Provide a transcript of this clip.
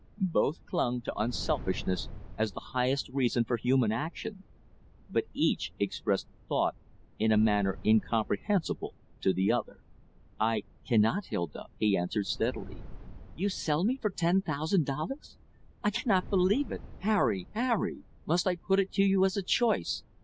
Both clung to unselfishness as the highest reason for human action; but each expressed the thought in a manner incomprehensible to the other. "I cannot, Hilda," he answered steadily. "You sell me for ten thousand dollars! I cannot believe it! Harry! Harry! Must I put it to you as a choice?